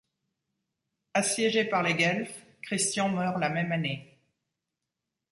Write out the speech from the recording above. Assiégé par les Guelfes, Christian meurt la même année.